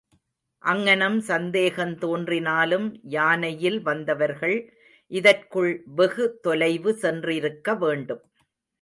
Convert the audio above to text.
அங்ஙனம் சந்தேகந் தோன்றினாலும் யானையில் வந்தவர்கள் இதற்குள் வெகு தொலைவு சென்றிருக்க வேண்டும்.